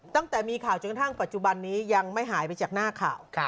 ตั้งแต่มีข่าวจนกระทั่งปัจจุบันนี้ยังไม่หายไปจากหน้าข่าว